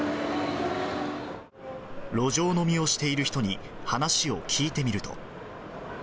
路上飲みをしている人に話を聞いてみると。